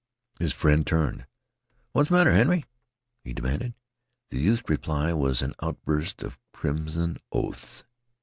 His friend turned. "What's the matter, Henry?" he demanded. The youth's reply was an outburst of crimson oaths.